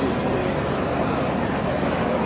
แล้วก็จะกรรมรอดทั้งหมดแล้วก็จะกรรมรอดทั้งหมด